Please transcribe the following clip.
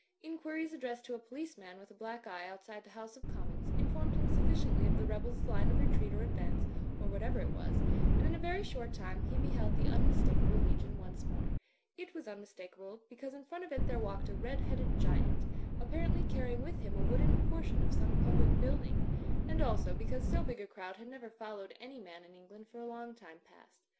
Inquiries addressed to a police man with a black eye outside the House of Commons informed him sufficiently of the rebels' line of retreat or advance, or whatever it was; and in a very short time he beheld the unmistakable legion once more. It was tmmistakable, because in front of it there walked a red headed giant, apparently carrying with him a wooden portion of some public building; and also because so big a crowd had never followed any man in England for a long time past.